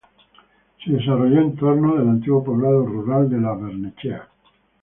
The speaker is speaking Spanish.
Se desarrolló en torno del antiguo poblado rural de Lo Barnechea.